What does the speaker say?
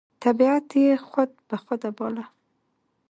طبیعت یې خود بخوده باله،